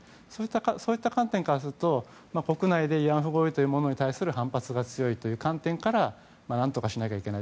そういった観点からすると国内で慰安婦合意というものに対する反発が強いという観点から何とかしなきゃいけない。